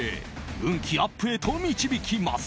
運気アップへと導きます。